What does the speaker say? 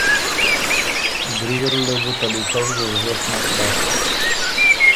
ګری زره لې بو ته لیکؤ ضرورت نک بۀ۔